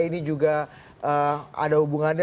ini juga ada hubungannya